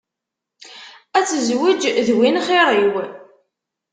Ad tezweğ d win xiṛ-iw.